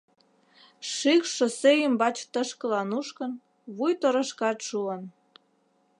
Шикш шоссе ӱмбач тышкыла нушкын, вуй торашкат шуын.